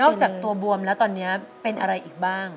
จากตัวบวมแล้วตอนนี้เป็นอะไรอีกบ้าง